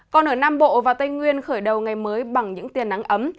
còn ở nam bộ và tây nguyên khởi đầu ngày mới bằng những tiền nắng ấm